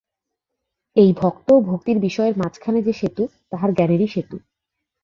এই ভক্ত ও ভক্তির বিষয়ের মাঝখানে যে সেতু তাহার জ্ঞানেরই সেতু।